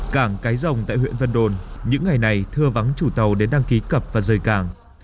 cảng cái rồng tại huyện vân đồn những ngày này thưa vắng chủ tàu đến đăng ký cập và rời cảng